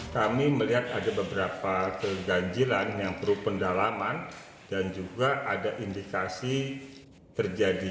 kami melihat ada beberapa keganjilan yang perlu pendalaman dan juga ada indikasi terjadi